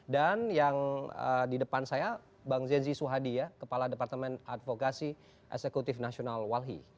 dan yang di depan saya bang zenzi suhadi kepala departemen advokasi esekutif nasional walhi